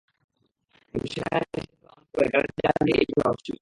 কিন্তু সেখানে নিষেধাজ্ঞা অমান্য করে কারেন্ট জাল দিয়ে ইলিশ ধরা হচ্ছিল।